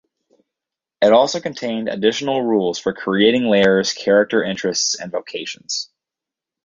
It also contained additional rules for creating lairs, character interests and vocations.